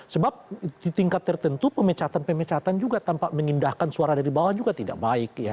sebab di tingkat tertentu pemecatan pemecatan juga tanpa mengindahkan suara dari bawah juga tidak baik